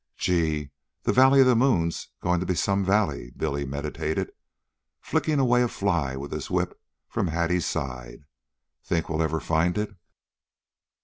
"Gee! that valley of the moon's goin' to be some valley," Billy meditated, flicking a fly away with his whip from Hattie's side. "Think we'll ever find it?"